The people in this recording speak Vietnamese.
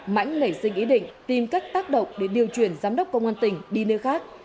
mãnh nảy sinh ý định tìm các tác động để điều chuyển giám đốc công an tỉnh đi nơi khác